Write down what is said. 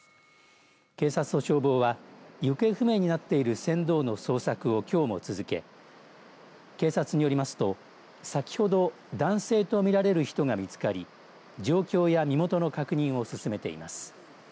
警察と消防は行方不明になっている船頭の捜索をきょうも続け警察によりますと先ほど男性と見られる人が見つかり状況や身元の確認を進めています。